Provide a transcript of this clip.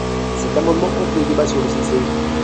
Cet amendement hante le débat sur le CICE.